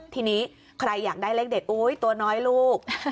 ทีนี้ใครอยากได้เลขเด็ดอุ๊ยตัวน้อยลูก